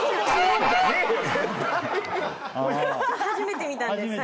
初めて見たんで。